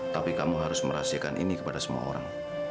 tapi kamu harus merahasiakan ini kepada semua orang